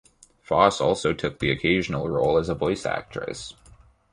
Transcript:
Foss also took the occasional role as a voice actress.